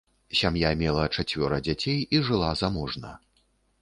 Сям'я мела чацвёра дзяцей і жыла заможна.